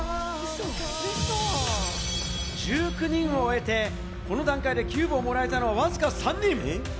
１９人を終えて、この段階でキューブをもらえたのは、わずか３人！